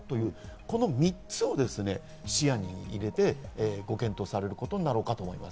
この３つを視野に入れてご検討されることになろうかと思います。